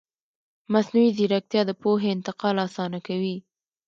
مصنوعي ځیرکتیا د پوهې انتقال اسانه کوي.